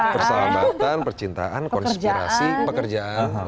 persahabatan percintaan konspirasi pekerjaan